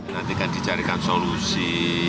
nanti kan dicarikan solusi